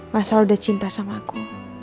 mas al udah cinta sama aku